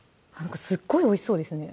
すっごいおいしそうですね